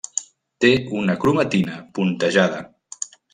Té una cromatina puntejada.